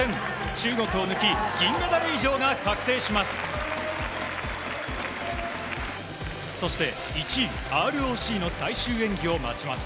中国を抜き銀メダル以上が確定します。